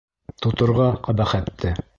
Тоторға ҡәбәхәтте!